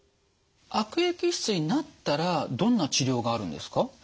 悪液質になったらどんな治療があるんですか？